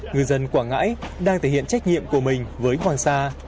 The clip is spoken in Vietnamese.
người dân quảng ngãi đang thể hiện trách nhiệm của mình với hoàng sa